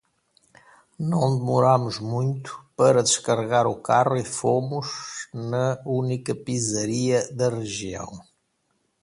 Não demoramos muito para descarregar o carro e fomos na única pizzaria da região.